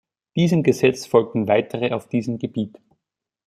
Diesem Gesetz folgten weitere auf diesem Gebiet.